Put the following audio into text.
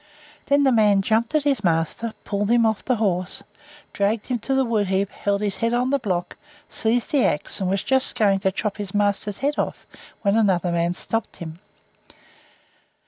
Then this man jumped at his master, pulled him off his horse, dragged him to the wood heap, held his head on the block, seized the axe, and was just going to chop his master's head off, when another man stopped him.